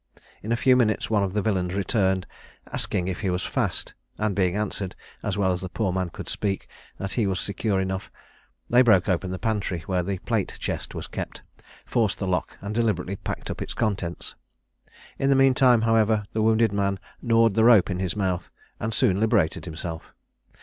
In a few minutes one of the villains returned, asking if he was fast; and being answered, as well as the poor man could speak, that he was secure enough, they broke open the pantry, where the plate chest was kept, forced the lock, and deliberately packed up its contents. In the mean time, however, the wounded man gnawed the rope in his mouth, and soon liberated himself.